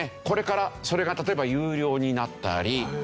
これからそれが例えば有料になったり。